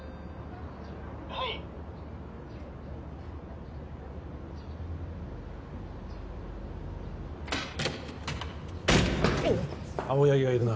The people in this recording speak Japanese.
はい青柳がいるな